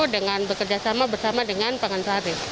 dengan bekerjasama bersama dengan pengantar